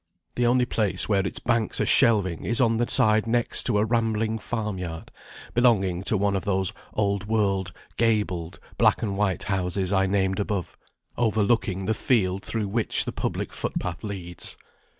The only place where its banks are shelving is on the side next to a rambling farm yard, belonging to one of those old world, gabled, black and white houses I named above, overlooking the field through which the public footpath leads.